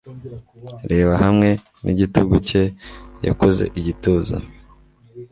Reba hamwe nigitugu cye yakoze igituza